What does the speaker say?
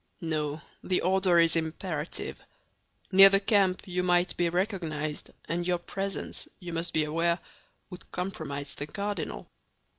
"No, the order is imperative. Near the camp you might be recognized; and your presence, you must be aware, would compromise the cardinal."